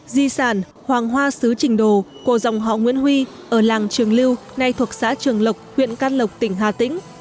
di sản hoàng hoa xứ trình đồ của dòng họ nguyễn huy ở làng trường lưu nay thuộc xã trường lộc huyện can lộc tỉnh hà tĩnh